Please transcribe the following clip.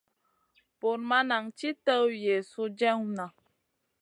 Bur ma nan ti tuw Yezu jewna.